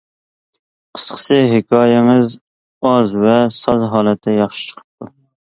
قىسقىسى، ھېكايىڭىز ئاز ۋە ساز ھالەتتە ياخشى چىقىپتۇ.